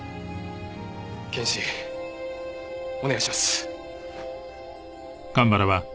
検視お願いします。